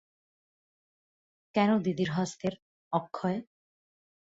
কেন দিদির হস্তের– অক্ষয়।